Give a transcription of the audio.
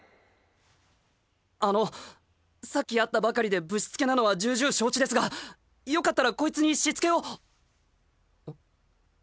あのっさっき会ったばかりでぶしつけなのは重々承知ですがよかったらこいつにしつけを。